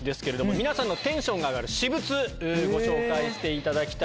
皆さんのテンションが上がる私物ご紹介していただきます。